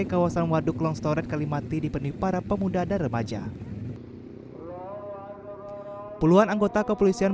kawasan waduk longstoret kalimati dipenuhi para pemuda dan remaja puluhan anggota kepolisian